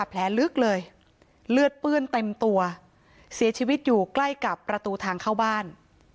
แผลลึกเลยเลือดเปื้อนเต็มตัวเสียชีวิตอยู่ใกล้กับประตูทางเข้าบ้าน